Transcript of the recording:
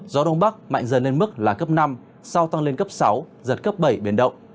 gió đông bắc mạnh dần lên mức là cấp năm sau tăng lên cấp sáu giật cấp bảy biển động